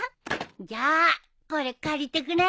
じゃあこれ借りてくね。